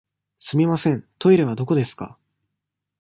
すみません、トイレはどこですか。